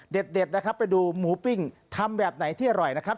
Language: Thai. เด็ดนะครับไปดูหมูปิ้งทำแบบไหนที่อร่อยนะครับ